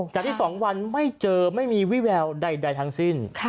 จากที่๒วันไม่เจอไม่มีวิแววใดทั้งสิ้น